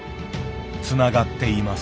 つながっています。